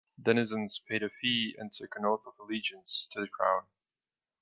Denizens paid a fee and took an oath of allegiance to the crown.